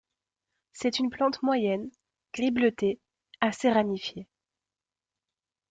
C'est une plante moyenne, gris bleuté, assez ramifiée.